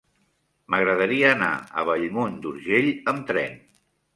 M'agradaria anar a Bellmunt d'Urgell amb tren.